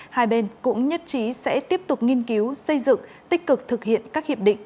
hai bên cũng nhất trí sẽ tiếp tục nghiên cứu xây dựng tích cực thực hiện các hiệp định